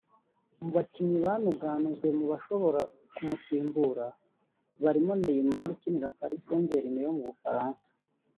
Mu bakinnyi banuganuzwe mu bashobora kumusimbura barimo Neymar ukinira Paris St Germain yo mu Bufaransa